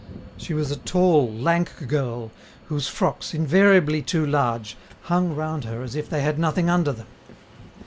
She was a tall, lank girl, whose frocks, invariably too large, hung round her as if they had nothing under them.